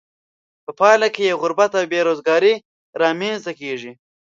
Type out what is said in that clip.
په پایله کې یې غربت او بې روزګاري را مینځ ته کیږي.